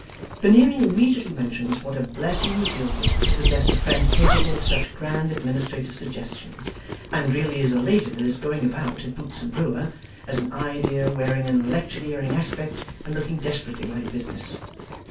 Veneering immediately mentions what a blessing he feels it, to possess a friend capable of such grand administrative suggestions, and really is elated at this going about of Boots and Brewer, as an idea wearing an electioneering aspect and looking desperately like business.